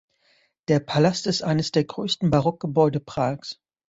Der Palast ist eines der größten Barockgebäude Prags.